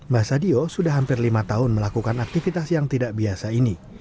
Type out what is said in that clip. mbah sadio sudah hampir lima tahun melakukan aktivitas yang tidak biasa ini